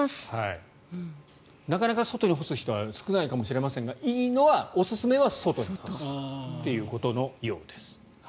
なかなか外に干す人はいないかもしれませんがいいのは、おすすめは外だということのようです。